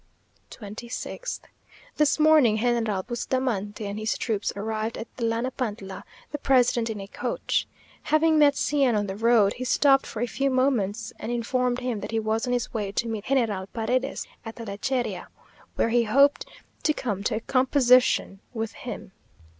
26th. This morning, General Bustamante and his troops arrived at Tlanapantla, the president in a coach. Having met C n on the road, he stopped for a few moments and informed him that he was on his way to meet General Paredes at the Lecheria, where he hoped to come to a composition with him.